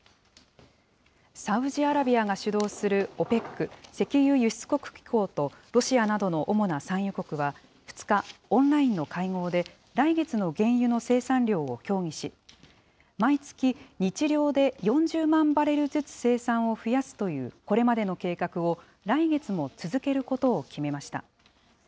サウジアラビアが主導するＯＰＥＣ・石油輸出国機構とロシアなどの主な産油国は２日、オンラインの会合で、来月の原油の生産量を協議し、毎月、日量で４０万バレルずつ生産を増やすという、これまでの計画を来月も続けることを決めました。